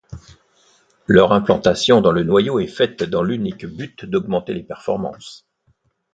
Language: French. Leur implantation dans le noyau est faite dans l’unique but d’augmenter les performances.